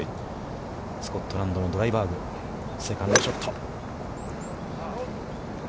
スコットランドのドライバーグ、セカンドショット。